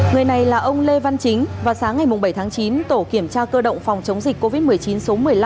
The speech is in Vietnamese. người này là ông lê văn chính vào sáng ngày bảy tháng chín tổ kiểm tra cơ động phòng chống dịch covid một mươi chín số một mươi năm